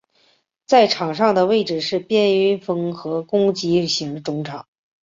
在场上的位置是边锋和攻击型中场。